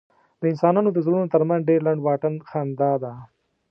د انسانانو د زړونو تر منځ ډېر لنډ واټن خندا ده.